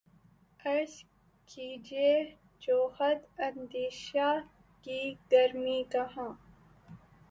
عرض کیجے جوہر اندیشہ کی گرمی کہاں